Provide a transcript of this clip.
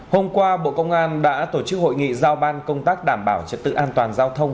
hôm qua bộ công an đã tổ chức hội nghị giao ban công tác đảm bảo trật tự an toàn giao thông